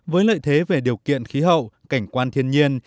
với lợi thế về điều kiện khí hậu cảnh quan thiên nhiên